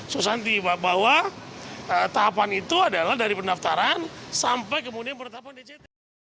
susanti bahwa tahapan itu adalah dari pendaftaran sampai kemudian penetapan dct